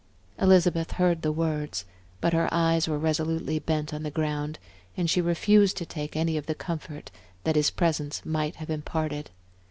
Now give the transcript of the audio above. Elizabeth heard the words, but her eyes were resolutely bent on the ground, and she refused to take any of the comfort that his presence might have imparted.